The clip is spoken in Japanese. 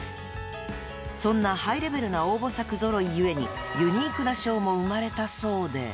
［そんなハイレベルな応募作揃い故にユニークな賞も生まれたそうで］